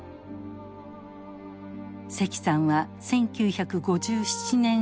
石さんは１９５７生まれ。